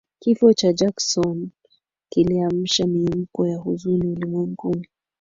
Kifo cha Jackson kiliamsha mihemko ya huzuni ulimwenguni